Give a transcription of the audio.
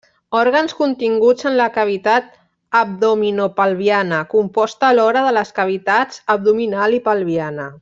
Òrgans continguts en la cavitat abdominopelviana, composta alhora de les cavitats abdominal i pelviana.